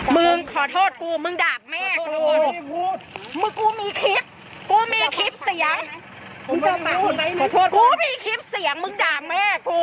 มึงขอโทษกูมึงดากแม่กู